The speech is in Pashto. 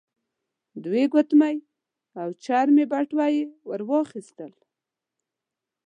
دوې ګوتمۍ او چرمې بټوه يې ور واخيستل.